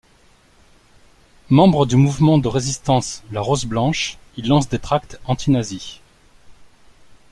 Membres du mouvement de résistance La Rose Blanche, ils lancent des tracts antinazis.